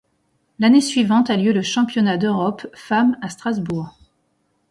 L'année suivante a lieu le Championnat d'Europe Femmes à Strasbourg.